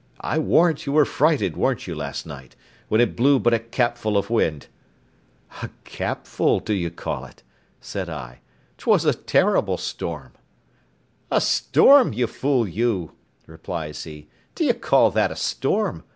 I warrant you were frighted, wer'n't you, last night, when it blew but a capful of wind?" "A capful d'you call it?" said I; "'twas a terrible storm." "A storm, you fool you," replies he; "do you call that a storm?